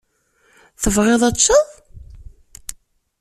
Tebɣid ad teččeḍ?